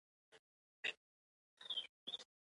هر څوک کولی شي استاد ته چکش او پلاس ورکړي